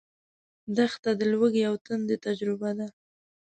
دښته د لوږې او تندې تجربه ده.